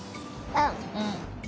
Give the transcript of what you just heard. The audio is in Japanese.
うん。